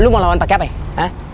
lu mau lawan pakai apa ya